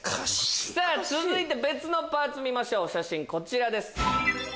続いて別のパーツ見ましょう写真こちらです。